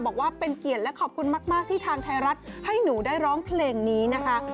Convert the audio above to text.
บอกว่าเป็นเกียรติและขอบคุณมากที่ทางไทยรัฐให้หนูได้ร้องเพลงนี้นะคะ